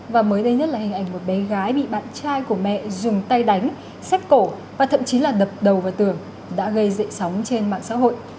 và mới đây nhất là hình ảnh một bé gái bị bạn trai của mẹ dùng tay đánh xét cổ và thậm chí là đập đầu vào tường đã gây dậy sóng trên mạng xã hội